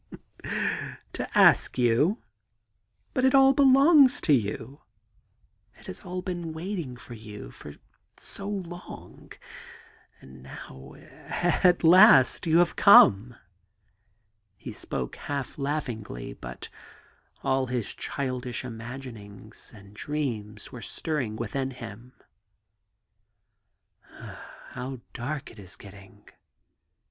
^ To ask you I But it all belongs to you I It has all been waiting for you for so long — and now, at last, you have come.' He spoke half laughingly, but all his childish imaginings and dreams were stirring within him. * How dark it is getting